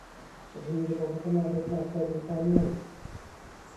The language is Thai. จัดให้มีระบบพัฒนาเด็กแรกเกิดอย่างต่อเนื่อง